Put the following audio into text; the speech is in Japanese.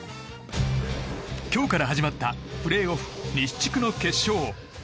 今日から始まったプレーオフ西地区の決勝。